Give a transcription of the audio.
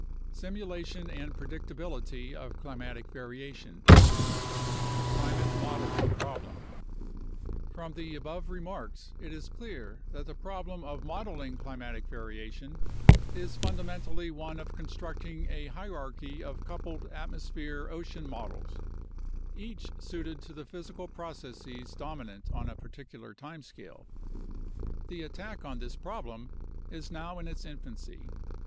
SIMULATION AND PREDICTABILITY OF CLIMATIC VARIATION Climate Modeling Problem From the above remarks it is clear that the problem of modeling climatic variation is fundamentally one of constructing a hierarchy of coupled atmosphere ocean models, each suited to the physical processes domi nant on a particular time scale. The attack on this problem is now in its infancy.